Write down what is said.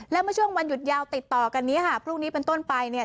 และเมื่อช่วงวันหยุดยาวติดต่อกันนี้ค่ะพรุ่งนี้เป็นต้นไปเนี่ย